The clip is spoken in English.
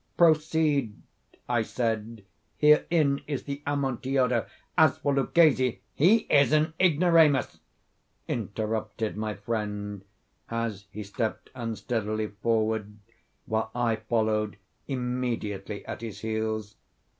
"Proceed," I said; "herein is the Amontillado. As for Luchesi—" "He is an ignoramus," interrupted my friend, as he stepped unsteadily forward, while I followed immediately at his heels.